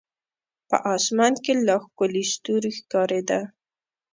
په اسمان کې لا ښکلي ستوري ښکارېده.